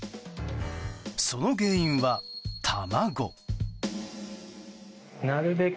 その原因は、卵。